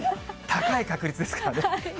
高い確率ですからね。